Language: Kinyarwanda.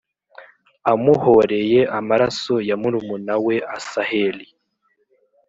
amuhōreye amaraso ya murumuna we Asaheli.